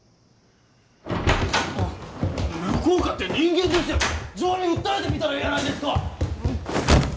向こうかて人間です情に訴えてみたらええやないですか！